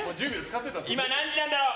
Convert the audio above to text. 今何時なんだろう？